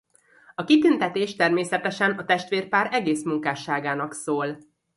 A kitüntetés természetesen a testvérpár egész munkásságának szól.